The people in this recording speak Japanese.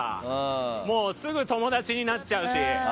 すぐ友達になっちゃうし。